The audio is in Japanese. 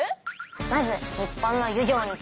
まず日本の漁業について見てみよう！